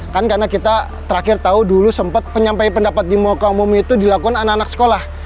karena kita terakhir tahu dulu sempat menyampaikan pendapat di mokomumi itu dilakukan anak anak sekolah